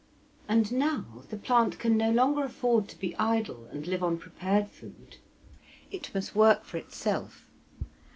And now the plant can no longer afford to be idle and live on prepared food. It must work for itself.